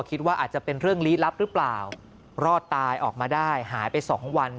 คิดว่าอาจจะเป็นเรื่องลี้ลับหรือเปล่ารอดตายออกมาได้หายไปสองวัน